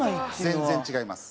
全然違います。